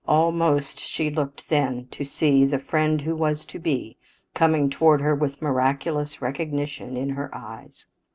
Almost she looked then to see the friend who was to be coming toward her with miraculous recognition in her eyes.